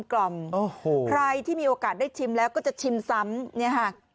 ใครที่มีโอกาสได้ชิมแล้วก็จะชิมซ้ำ